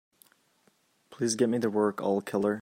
Please get me the work, All Killer.